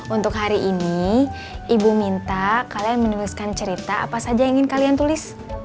untuk hari ini ibu minta kalian menuliskan cerita apa saja yang ingin kalian tulis